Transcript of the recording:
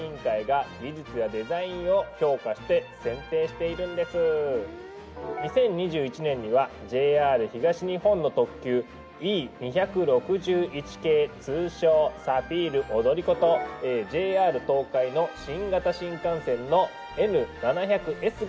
こちらはですね２０２１年にはＪＲ東日本の特急Ｅ２６１系通称「サフィール踊り子」とＪＲ東海の新型新幹線のＮ７００Ｓが受賞したんです。